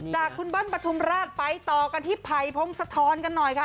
จากคุณบ้านประทุมราชไปต่อกันให้ภายพงสะท้อนกันหน่อยค่ะ